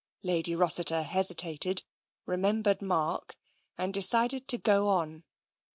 Lady Rossiter hesitated, remembered Mark, and de cided to go on.